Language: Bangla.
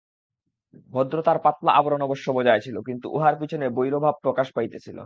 ভদ্রতার পাতলা আবরণ অবশ্য বজায় ছিল, কিন্তু উহার পিছনে বৈরভাব প্রকাশ পাইতেছিল।